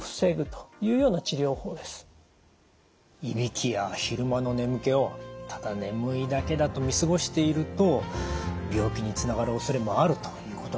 いびきや昼間の眠気をただ眠いだけだと見過ごしていると病気につながるおそれもあるということなんですね。